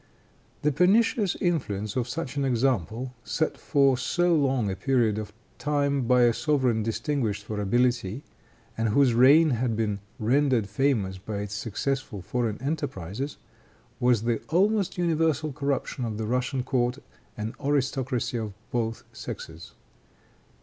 The pernicious influence of such an example, set for so long a period of time by a sovereign distinguished for ability, and whose reign had been rendered famous by its successful foreign enterprises, was the almost universal corruption of the Russian court and aristocracy of both sexes.